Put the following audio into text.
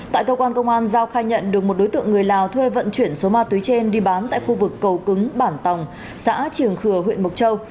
tại cơ quan công an giao khai nhận được một đối tượng người lào thuê vận chuyển số ma túy trên đi bán tại khu vực cầu cứng bản tòng xã triềng khừa huyện mộc châu